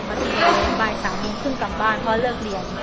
พอฉีดยาเลยบ่ายสามนึงขึ้นกลับบ้านเพราะเลิกเรียน